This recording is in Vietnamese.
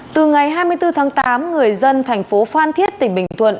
từ ngày hai mươi bốn tháng tám người dân thành phố phan thiết tỉnh bình thuận